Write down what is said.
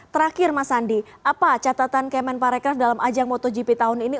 terakhir mas sandi apa catatan kemenparekraf dalam ajang motogp tahun ini